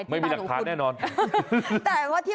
ไหวผ่านเลยเหรอคะ